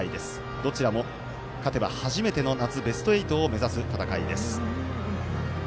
どちらも勝てば初めての夏、ベスト８を目指す戦いです。